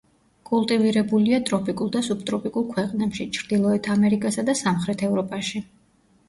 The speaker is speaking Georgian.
კულტივირებულია ტროპიკულ და სუბტროპიკულ ქვეყნებში, ჩრდილოეთ ამერიკასა და სამხრეთ ევროპაში.